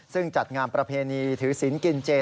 ซึ่งจัดงานประเพณีถือศิลป์กินเจ